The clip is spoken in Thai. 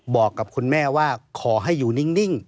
บอกกับคุณแม่ว่าขอให้อยู่นิ่ง